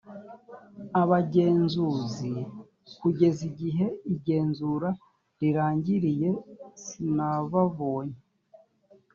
abagenzuzi kugeza igihe igenzura rirangiriye sinababonye